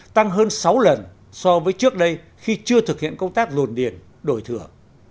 tăng hơn sáu lần so với trước đây khi chưa thực hiện công tác dồn điền đổi thửa